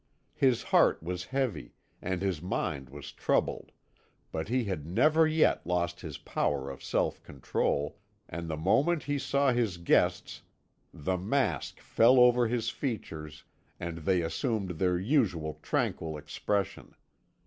His heart was heavy, and his mind was troubled; but he had never yet lost his power of self control, and the moment he saw his guests the mask fell over his features, and they assumed their usual tranquil expression.